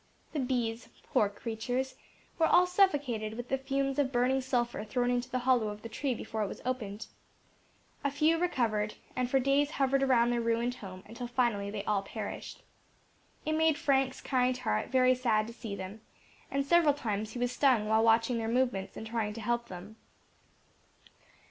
The bees, poor creatures! were all suffocated with the fumes of burning sulphur thrown into the hollow of the tree before it was opened. A few recovered, and for days hovered around their ruined home, until finally they all perished. It made Frank's kind heart very sad to see them, and several times he was stung while watching their movements and trying to help them.